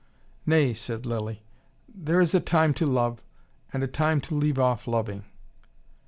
"Nay," said Lilly. "There is a time to love, and a time to leave off loving."